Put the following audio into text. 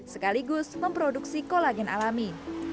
sekaligus memproduksi kolagen alami